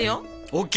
ＯＫ。